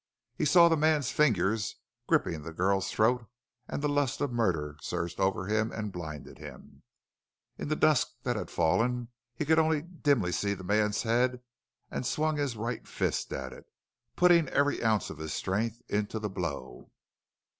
He saw the man's fingers gripping the girl's throat and the lust of murder surged over and blinded him. In the dusk that had fallen he could only dimly see the man's head and he swung his right fist at it, putting every ounce of his strength into the blow.